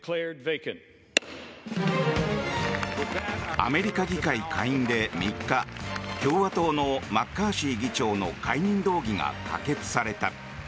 アメリカ議会下院で３日共和党のマッカーシー議長の解任動議が可決された。